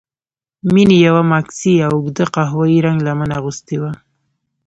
مينې يوه ماکسي او اوږده قهويي رنګه لمن اغوستې وه.